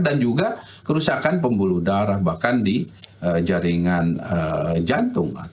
dan juga kerusakan pembuluh darah bahkan di jaringan jantung